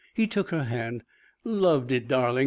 He took her hand. "Loved it, darling.